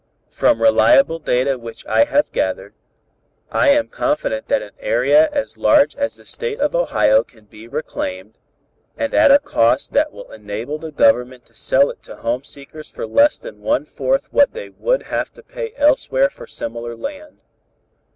From reliable data which I have gathered, I am confident that an area as large as the State of Ohio can be reclaimed, and at a cost that will enable the Government to sell it to home seekers for less than one fourth what they would have to pay elsewhere for similar land.